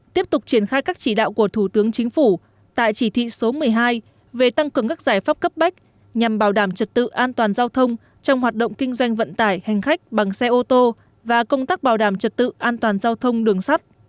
tiếp tục triển khai các chỉ đạo của thủ tướng chính phủ tại chỉ thị số một mươi hai về tăng cường các giải pháp cấp bách nhằm bảo đảm trật tự an toàn giao thông trong hoạt động kinh doanh vận tải hành khách bằng xe ô tô và công tác bảo đảm trật tự an toàn giao thông đường sắt